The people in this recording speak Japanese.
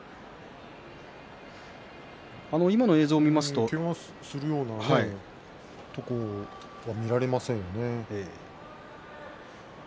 今の映像を見ますとけがをするような場面は見られませんでしたね。